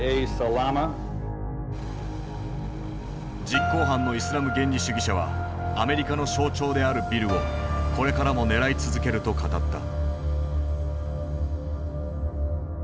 実行犯のイスラム原理主義者はアメリカの象徴であるビルをこれからも狙い続けると語った。